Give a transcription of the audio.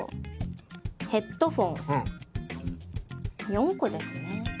４個ですね。